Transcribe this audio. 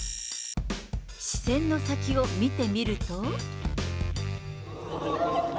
視線の先を見てみると。